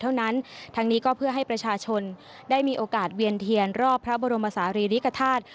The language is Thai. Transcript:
ทั้งนี้ก็เพื่อให้ประชาชนได้มีโอกาสเวียนเทียนรอบพระบรมศาลีริกฐาตุ